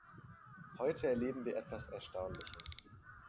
Heute erleben wir etwas Erstaunliches.